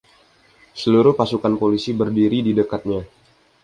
Seluruh pasukan polisi berdiri di dekatnya.